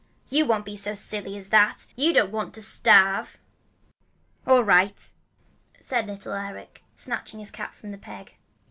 But you won't be so silly as that. You don't want to starve." "All right," said little Eric, snatching his cap from its peg.